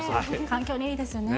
環境にいいですよね。